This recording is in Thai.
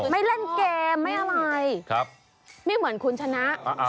ไม่เล่นเกมไม่อะไรไม่เหมือนคุณชนะ